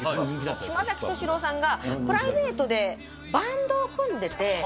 島崎俊郎さんがプライベートでバンドを組んでて。